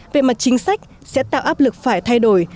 về mặt chính sách sẽ tạo áp lực phải thay đổi